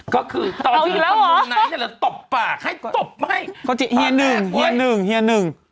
ก็คือเอาอีกแล้วเหรอตอบปากให้ตบให้เหี้ยหนึ่งเหี้ยหนึ่งเหี้ยหนึ่ง